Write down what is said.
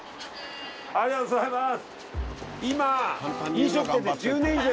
ありがとうございます。